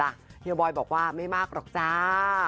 เท่าไหร่กันล่ะเฮียวบอยบอกว่าไม่มากหรอกจ้า